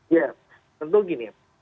ya tentu gini